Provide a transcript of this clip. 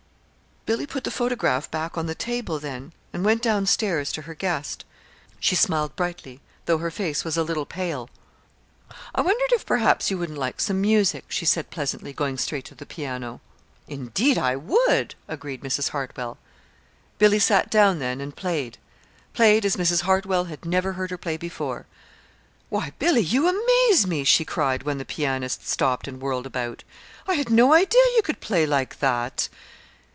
_" Billy put the photograph back on the table then, and went down stairs to her guest. She smiled brightly, though her face was a little pale. "I wondered if perhaps you wouldn't like some music," she said pleasantly, going straight to the piano. "Indeed I would!" agreed Mrs. Hartwell. Billy sat down then and played played as Mrs. Hartwell had never heard her play before. "Why, Billy, you amaze me," she cried, when the pianist stopped and whirled about. "I had no idea you could play like that!"